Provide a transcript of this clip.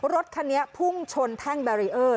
รถคันนี้พุ่งชนแท่งแบรีเออร์